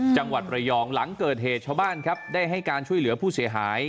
จังหวัดระยองหลังเกิดเหตุชาวบ้านครับได้ให้การช่วยเหลือผู้เสียหาย